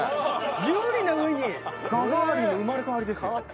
侑李な上にガガーリンの生まれ変わりですよ。